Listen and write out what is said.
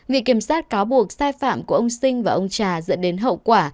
vì kiểm soát cáo buộc sai phạm của ông sinh và ông trà dẫn đến hậu quả